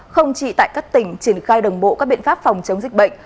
không chỉ tại các tỉnh triển khai đồng bộ các biện pháp phòng chống dịch bệnh